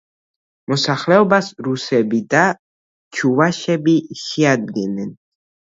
მოსახლეობას რუსები და ჩუვაშები შეადგენენ.